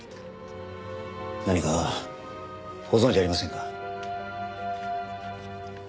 何かご存じありませんか？